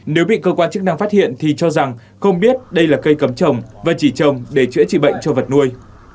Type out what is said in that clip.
nếu bị cơ quan chức năng phát hiện thì cho rằng không biết đây là cây cấm trồng và chỉ trồng để chữa trị bệnh cho vật nuôi